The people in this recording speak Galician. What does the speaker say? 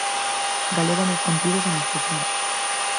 Galego nos contidos e na expresión.